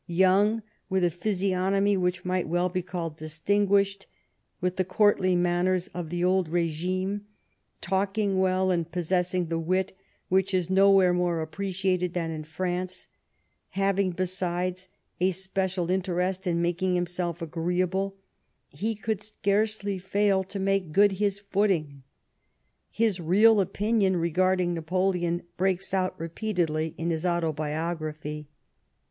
Young, with a physiognomy which might well be called distinguished, with the courtly manners of the old regime, talking well and possessing the wit which is nowhere more appreciated than in France, having, besides, a special interest in making himself agreeable, he could scarcely fail to make good his footing. His real opinion regarding Napoleon breaks out repeatedly in his Autobiography.